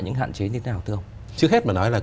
những hạn chế như thế nào thưa ông trước hết mà nói là